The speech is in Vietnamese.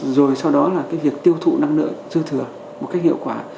rồi sau đó là cái việc tiêu thụ năng lượng dư thừa một cách hiệu quả